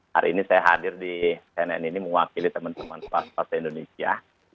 hari ini saya hadir di cnn ini mewakili teman teman swasta indonesia